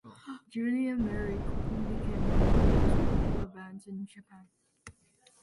Judy and Mary quickly became one of the most popular bands in Japan.